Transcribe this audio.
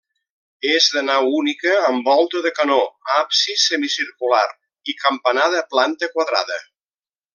És de nau única amb volta de canó, absis semicircular i campanar de planta quadrada.